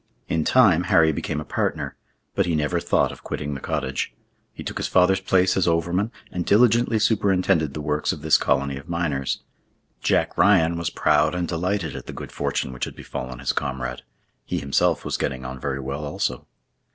In time Harry became a partner. But he never thought of quitting the cottage. He took his father's place as overman, and diligently superintended the works of this colony of miners. Jack Ryan was proud and delighted at the good fortune which had befallen his comrade. He himself was getting on very well also.